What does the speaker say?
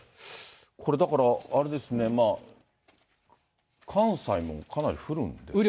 これだから、あれですね、関西もかなり降るんですかね。